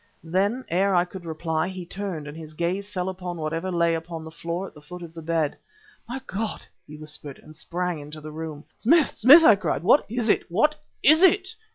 Then, ere I could reply, he turned, and his gaze fell upon whatever lay upon the floor at the foot of the bed. "My God!" he whispered and sprang into the room. "Smith! Smith!" I cried, "what is it? what is it?"